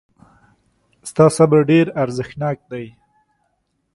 ستا صبر ډېر ارزښتناک دی.